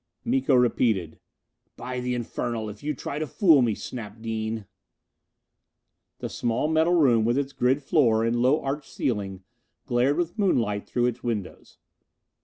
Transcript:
Miko repeated, "By the infernal, if you try to fool me, Snap Dean!" The small metal room, with its grid floor and low arched ceiling, glared with moonlight through its windows.